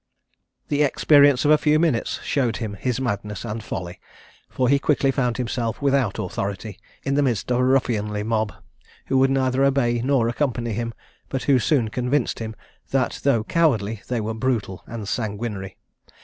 The experience of a few minutes showed him his madness and folly; for he quickly found himself without authority, in the midst of a ruffianly mob, who would neither obey nor accompany him; but who soon convinced him, that, though cowardly, they were brutal and sanguinary.